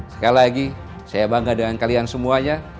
sekali lagi saya bangga dengan kalian semuanya